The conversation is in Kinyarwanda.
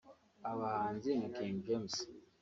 abahanzi nka King James